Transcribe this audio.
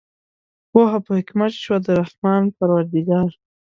پوهه په حکمت شوه د رحمان پروردګار